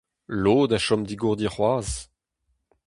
Lod a chom digourdi c'hoazh.